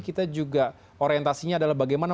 kita juga orientasinya adalah bagaimana